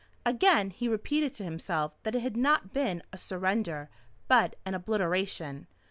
Again he repeated to himself that it had not been a surrender but an obliteration.